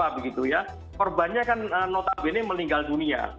nah begitu ya korbannya kan notabene meninggal dunia